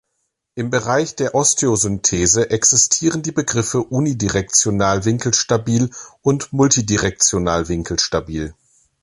Im Bereich der Osteosynthese existieren die Begriffe unidirektional-winkelstabil und multidirektional-winkelstabil.